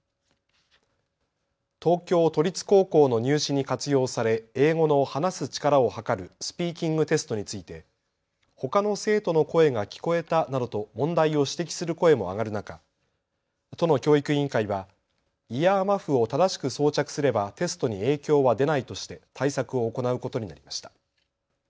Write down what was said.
東京都立高校の入試に活用され英語の話す力をはかるスピーキングテストについてほかの生徒の声が聞こえたなどと問題を指摘する声も上がる中、都の教育委員会はイヤーマフを正しく装着すればテストに影響は出ないとして対策を行うことになりました。